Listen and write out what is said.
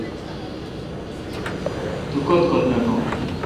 توکت کت نٹوں۔